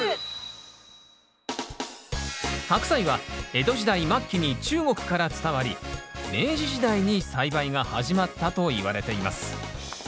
ハクサイは江戸時代末期に中国から伝わり明治時代に栽培が始まったといわれています。